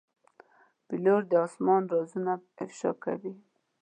پیلوټ د آسمان رازونه افشا کوي.